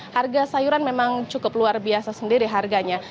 harga sayuran memang cukup luar biasa sendiri harganya